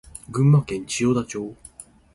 群馬県千代田町